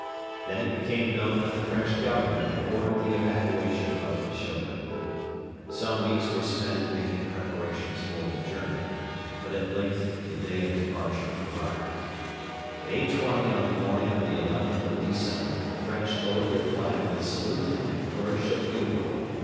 Then it became known that the French Government had ordered the evacuation of Fashoda. Some weeks were spent in making preparations for the journey, but at length the day of departure arrived. At 8.20 on the morning of the 11th of December the French lowered their flag with salute and flourish of bugle.